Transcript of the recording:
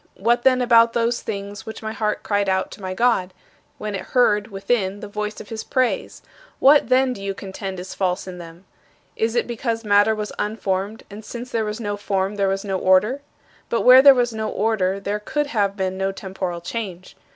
"What, then, about those things which my heart cried out to my God, when it heard, within, the voice of his praise? What, then, do you contend is false in them? Is it because matter was unformed, and since there was no form there was no order? But where there was no order there could have been no temporal change.